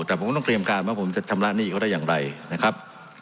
แต่ผมก็ต้องเตรียมการว่าผมจะชำระหนี้เขาได้อย่างไรนะครับ